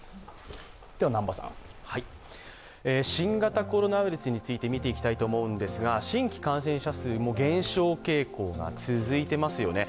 新型コロナウイルスについて見ていきたいと思うんですが新規感染者数も減少傾向が続いていますよね。